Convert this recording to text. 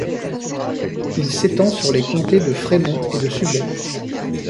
Il s'étend sur les comtés de Fremont et de Sublette.